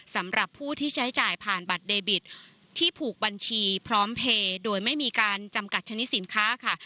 สำหรับผู้ที่ใช้จ่ายผ่านบัตรเดบิตที่ผูกบัญชีพร้อมเพลย์โดยไม่มีการจำกัดชนิดสินค้าค่ะ